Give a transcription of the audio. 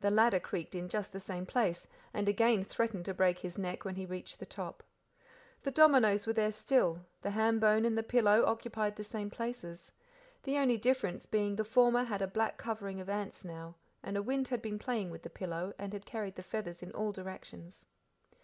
The ladder creaked in just the same place, and again threatened to break his neck when he reached the top. The dominoes were there still, the ham bone and the pillow occupied the same places; the only difference being the former had a black covering of ants now, and a wind had been playing with the pillow, and had carried the feathers in all directions.